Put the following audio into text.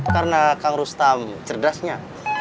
karena kang rustam cerdasnya